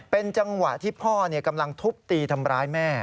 เป็นจังหวะที่พ่อกำลังทุบตีทำร้ายแม่